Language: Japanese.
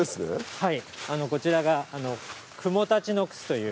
はい。